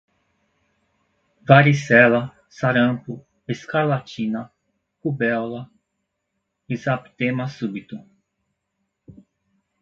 Varicela, Sarampo, Escarlatina, Rubéola, Exabtema Súbito